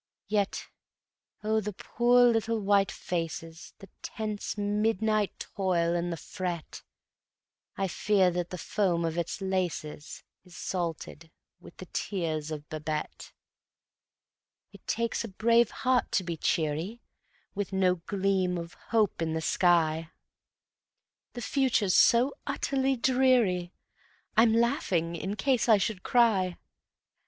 Yet ... oh, the poor little white faces, The tense midnight toil and the fret ... I fear that the foam of its laces Is salt with the tears of Babette. It takes a brave heart to be cheery With no gleam of hope in the sky; The future's so utterly dreary, I'm laughing in case I should cry.